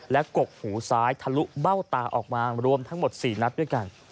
และกกหูซ้ายทะลุเบ้าตาออกมารวมทั้งหมด๔นัดด้วยกัน